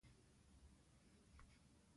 سره تفاهم شوی ؤ